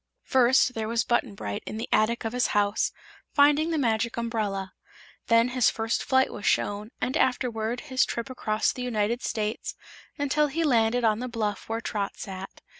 First, there was Button Bright in the attic of his house, finding the Magic Umbrella. Then his first flight was shown, and afterward his trip across the United States until he landed on the bluff where Trot sat.